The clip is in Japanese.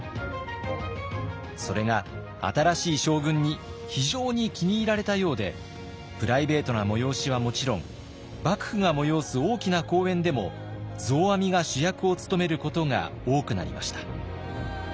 それが新しい将軍に非常に気に入られたようでプライベートな催しはもちろん幕府が催す大きな公演でも増阿弥が主役を務めることが多くなりました。